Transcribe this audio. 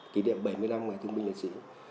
kỷ niệm bảy mươi năm ngày thương binh liệt sĩ